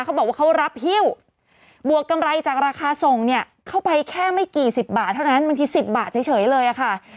เขาบอกว่าเขารับฮิ้วบวกกำไรจากราคาส่งเนี่ยเข้าไปแค่ไม่กี่สิบบาทเท่านั้นบางที๑๐บาทเฉยเลยค่ะ